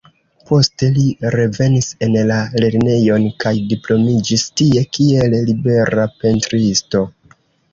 Poste li revenis en la Lernejon kaj diplomiĝis tie kiel libera pentristo.